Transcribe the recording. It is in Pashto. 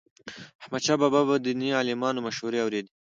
احمدشاه بابا به د دیني عالمانو مشورې اوريدي.